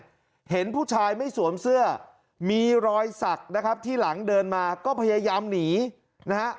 เห็นผู้ชายไม่สวมเสื้อมีรอยสักนะครับที่หลังเดินมาก็พยายามหนีนะฮะ